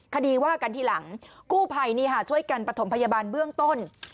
คดีว่ากันทีหลังกู้ภัยช่วยกันประถมพยาบาลเบื้องต้น